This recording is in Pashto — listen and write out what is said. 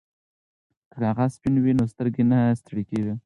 که کاغذ سپین وي نو سترګې نه ستړې کیږي.